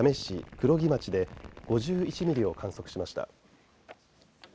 黒木町で５１ミリを観測しました。